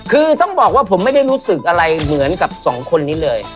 คือต้องบอกว่าผมไม่ได้รู้สึกอะไรเหมือนกับสองคนนี้เลย